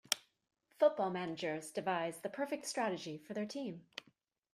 Football managers devise the perfect strategy for their team.